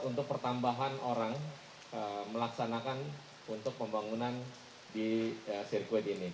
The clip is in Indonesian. untuk pertambahan orang melaksanakan untuk pembangunan di sirkuit ini